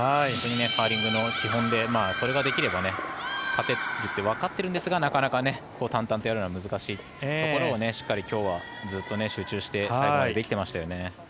本当にカーリングの基本でそれができれば勝てるというのは分かっているんですが、なかなか淡々とやるのは難しいところをしっかり今日はずっと集中して最後までできていました。